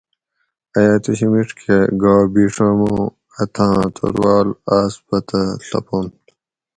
ائ اتوشی میڛ کہ گا بیڛوں موں اتھاں توروال آس پتہ ڷپنت